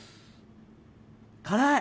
辛い！